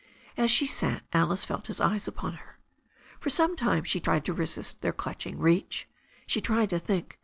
As she sat, Alice felt his eyes upon her. For some time she tried to resist their clutching reach. She tried to think.